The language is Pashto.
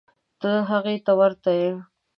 ته هغې ته ورته یې.